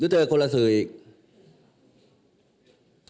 หรือเธอก็คนละสื่ออีก